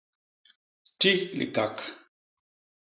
Ti likak.